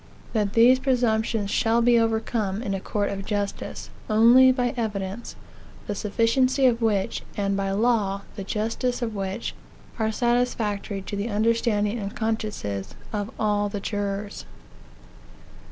That these presumptions shall be overcome, in a court of justice, only by evidence, the sufficiency of which, and by law, the justice of which, are satisfactory to the under standing and consciences of all the jurors.